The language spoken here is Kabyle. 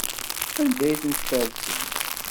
Anda ay tent-tfersem?